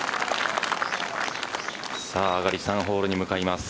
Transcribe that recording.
上がり３ホールに向かいます。